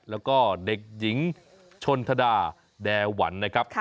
แล้วก็เด็กหญิงชนธดาแดหวันนะครับ